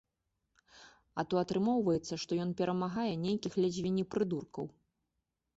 А то атрымоўваецца, што ён перамагае нейкіх ледзьве не прыдуркаў.